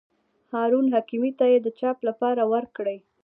هارون حکیمي ته یې د چاپ لپاره ورکړي.